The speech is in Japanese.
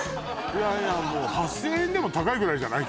いやいやもう８０００円でも高いぐらいじゃない？